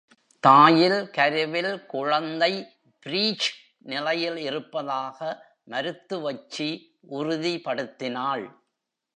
தாயில் கருவில் குழந்தை பிரீச் நிலையில் இருப்பதாக மருத்துவச்சி உறுதிபடுத்தினாள்.